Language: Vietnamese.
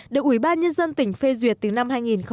được ủy ban nhân dân tỉnh phê duyệt từ năm hai nghìn chín